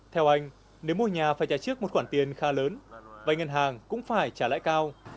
theo anh nếu mua nhà phải trả trước một khoản tiền khá lớn và ngân hàng cũng phải trả lãi cao